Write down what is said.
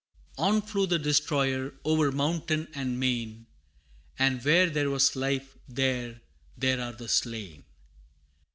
II. On flew the Destroyer, o'er mountain and main, And where there was life, there, there are the slain!